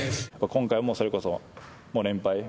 「今回もそれこそ」